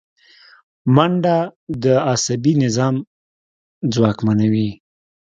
منډه د عصبي نظام ځواکمنوي